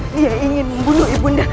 dia ingin membunuh ibu nda